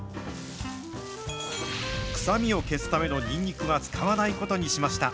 臭みを消すためのニンニクは使わないことにしました。